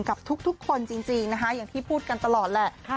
กับทุกคนจริงนะคะอย่างที่พูดกันตลอดแหละ